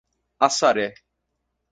Assaré